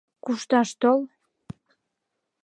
Кушташ тол.